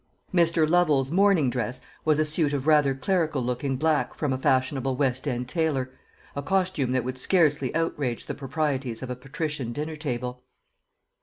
Mr. Lovel's morning dress was a suit of rather clerical looking black from a fashionable West end tailor a costume that would scarcely outrage the proprieties of a patrician dinner table.